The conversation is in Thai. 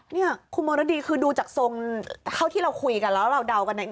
เนี่ยคุณมรดีคือดูจากทรงเท่าที่เราคุยกันแล้วเราเดากันเนี่ย